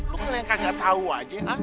lu kan yang kagak tahu aja ha